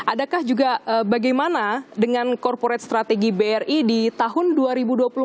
adakah juga bagaimana dengan corporate strategi bri di tahun dua ribu dua puluh tiga